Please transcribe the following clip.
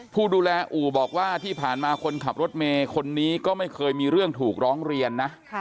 ผู้ดูแลอู่บอกว่าที่ผ่านมาคนขับรถเมย์คนนี้ก็ไม่เคยมีเรื่องถูกร้องเรียนนะ